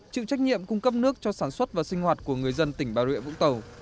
chịu trách nhiệm cung cấp nước cho sản xuất và sinh hoạt của người dân tỉnh bà rịa vũng tàu